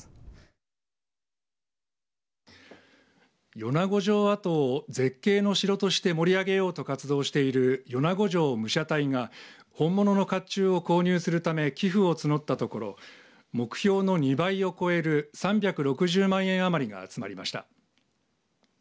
米子城跡を絶景の城として盛り上げようと活動している米子城武者隊が本物のかっちゅうを購入するため寄付を募ったところ目標の２倍を超える３６０万円余りが集まりました。